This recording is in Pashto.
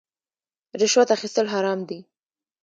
رشوت اخیستل حرام دي